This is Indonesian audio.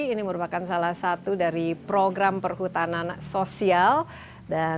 ini merupakan salah satu dari program perhutanan sosial dan